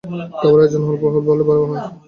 খাবারের আয়োজন অল্প হলেও ভালো।